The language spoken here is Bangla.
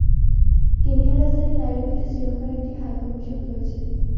কেনিয়ার রাজধানী নাইরোবিতে শ্রীলঙ্কার একটি হাই কমিশন রয়েছে।